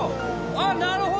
あっなるほど。